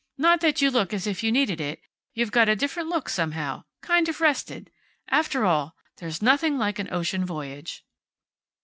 "Not that you look as if you needed it. You've got a different look, somehow. Kind of rested. After all, there's nothing like an ocean voyage."